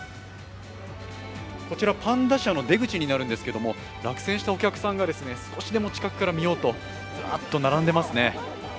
こちらパンダ舎の出口になるんですけれども、落選したお客さんが少しでも近くで見ようとズラーッと並んでいますね。